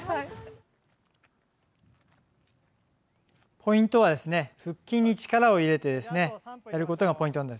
ポイントは腹筋に力を入れてやることです。